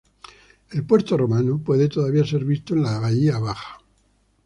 El puerto romano puede todavía ser visto en la bahía baja.